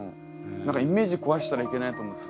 何かイメージ壊したらいけないと思って。